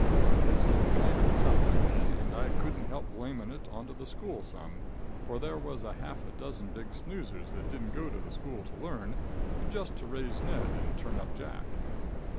"It seemed kind of tough to me, and I couldn't help blamin' it onto the school some, for there was a half a dozen big snoozers that didn't go to school to learn, but just to raise Ned and turn up Jack.